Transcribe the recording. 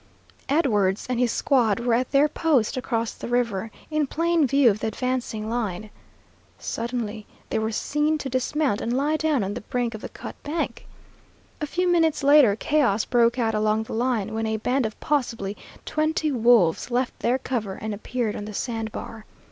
Edwards and his squad were at their post across the river, in plain view of the advancing line. Suddenly they were seen to dismount and lie down on the brink of the cut bank. A few minutes later chaos broke out along the line, when a band of possibly twenty wolves left their cover and appeared on the sand bar.